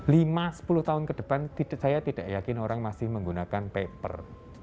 lima sepuluh tahun ke depan saya tidak yakin orang masih menggunakan paper